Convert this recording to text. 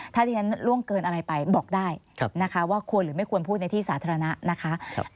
ถ้าที่ฉันล่วงเกินอะไรไปบอกได้นะคะว่าควรหรือไม่ควรพูดในที่สาธารณะนะคะ